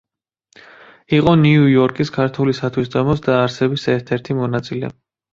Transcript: იყო ნიუ-იორკის ქართული სათვისტომოს დაარსების ერთ-ერთი მონაწილე.